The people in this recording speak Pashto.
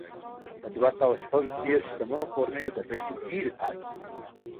د دوه سوه شپږ دېرش شتمنو کورنیو له ډلې ډېرې پاتې شوې.